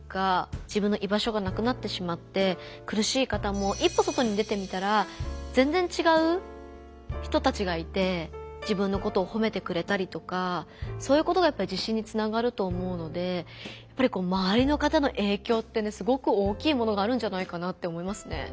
自分の居場所がなくなってしまって苦しい方も自分のことをほめてくれたりとかそういうことがやっぱり自信につながると思うのでまわりの方の影響ってねすごく大きいものがあるんじゃないかなって思いますね。